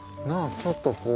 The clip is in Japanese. ちょっとこう。